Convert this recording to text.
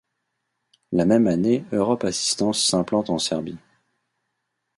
La même année Europ Assistance s’implante en Serbie.